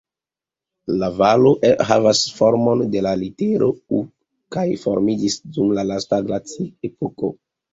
La valo havas formon de la litero "U" kaj formiĝis dum la lasta glaciepoko.